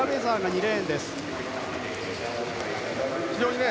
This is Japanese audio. ２レーンです。